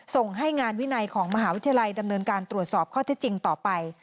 ส่งให้งานวินัยของมหาวิทยาลัยดำเนินการตรวจสอบข้อที่จริงต่อไป